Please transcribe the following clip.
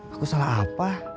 aku salah apa